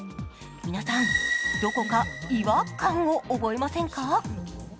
皆さん、どこか違和感を覚えませんか？